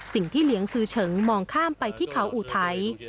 สิ่งที่เหลียงซื้อเฉิงมองข้ามไปที่เขาอุทัย